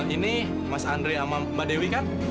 ini mas andre sama mbak dewi kan